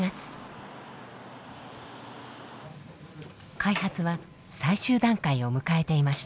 開発は最終段階を迎えていました。